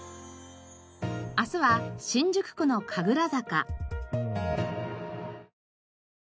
明日は新宿区の神楽坂。